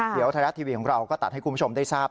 เดี๋ยวไทยรัฐทีวีของเราก็ตัดให้คุณผู้ชมได้ทราบ